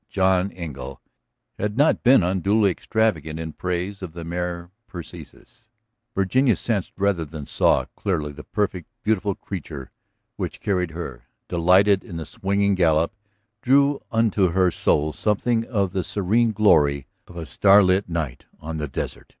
John Engle had not been unduly extravagant in praise of the mare Persis; Virginia sensed rather than saw clearly the perfect, beautiful creature which carried her, delighted in the swinging gallop, drew into her soul something of the serene glory of a starlit night on the desert.